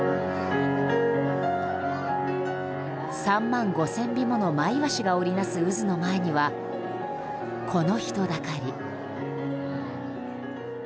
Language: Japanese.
３万５０００尾ものマイワシが織り成す渦の前には、この人だかり。